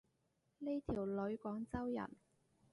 呢條女廣州人